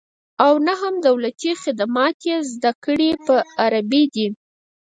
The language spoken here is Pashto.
او نه هم دولتي خدمات یې زده کړې په عربي دي